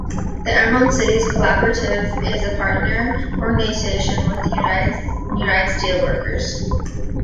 The Emerald Cities Collaborative is a partner organization with the United Steelworkers.